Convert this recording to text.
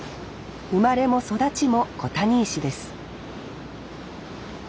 生まれも育ちも小谷石です